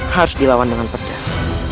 harus dilawan dengan pedang